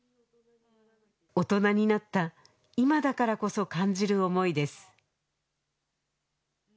大人になった今だからこそ感じる思いです